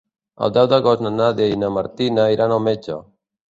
El deu d'agost na Nàdia i na Martina iran al metge.